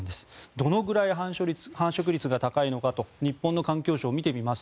どのくらい繁殖率が高いか日本の環境省を見てみます。